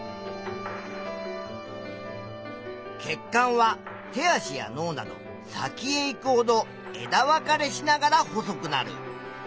血管は手足や脳など先へ行くほど枝分かれしながら細くなる。